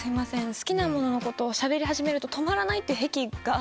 好きなもののことをしゃべり始めると止まらないって癖があって。